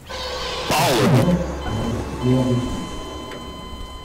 Ich glaube, er ist sehr wichtig.